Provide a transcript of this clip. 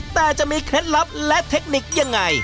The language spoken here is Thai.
แต่จะมีเคล็ดลับและเทคนิคยังไง